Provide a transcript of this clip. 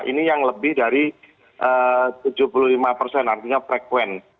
ini yang lebih dari tujuh puluh lima persen artinya frekuen